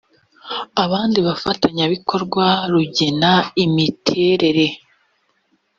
abandi bafatanyabikorwa rugena imiterere